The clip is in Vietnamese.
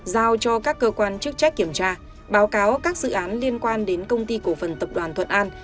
giao cho các cơ quan chức trách kiểm tra báo cáo các dự án liên quan đến công ty cổ phần tập đoàn thuận an